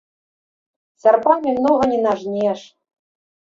Сярпамі многа не нажнеш.